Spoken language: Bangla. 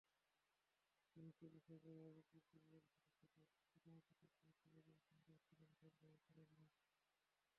কিন্তু চিকিত্সকেরা রোগীর পরিবারের সদস্যদের আকুতিমিনতির পরও সিরাজুল ইসলামকে অক্সিজেন সরবরাহ করেননি।